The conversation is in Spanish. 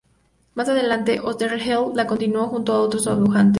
Más adelante Oesterheld la continuó junto a otros dibujantes.